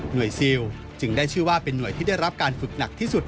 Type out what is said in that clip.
ซิลจึงได้ชื่อว่าเป็นห่วยที่ได้รับการฝึกหนักที่สุด